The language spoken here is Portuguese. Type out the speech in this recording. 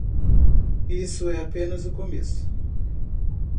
Isso é apenas o começo.